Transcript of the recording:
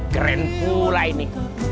keren pula ini